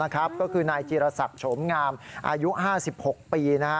ก็คือนายจีรศักดิ์โฉมงามอายุ๕๖ปี